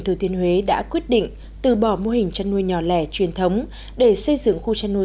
thừa thiên huế đã quyết định từ bỏ mô hình chăn nuôi nhỏ lẻ truyền thống để xây dựng khu chăn nuôi